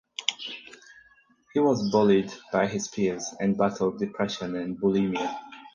He was bullied by his peers and battled depression and bulimia.